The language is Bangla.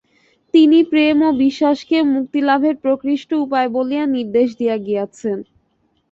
তিনি প্রেম ও বিশ্বাসকে মুক্তিলাভের প্রকৃষ্ট উপায় বলিয়া নির্দেশ দিয়া গিয়াছেন।